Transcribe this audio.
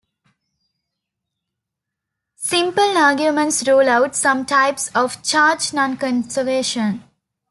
Simple arguments rule out some types of charge nonconservation.